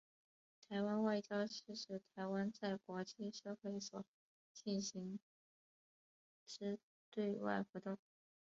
台湾外交是指台湾在国际社会所进行之对外活动。